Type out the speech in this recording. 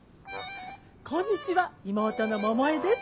こんにちは妹の桃恵です。